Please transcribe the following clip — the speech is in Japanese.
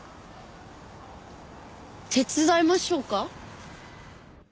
手伝いましょうか？